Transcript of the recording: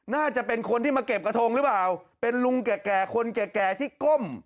น่าจะเป็นคนที่มาเก็บกระทงหรือเปล่าเป็นลุงแก่แก่คนแก่แก่ที่ก้ม